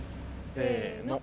せの。